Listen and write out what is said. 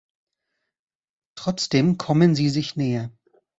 Trotzdem kommen sie sich näher.